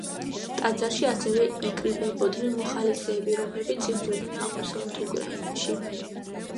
ტაძარში ასევე იკრიბებოდნენ მოხალისეები, რომლებიც იბრძოდნენ აღმოსავლეთ უკრაინაში.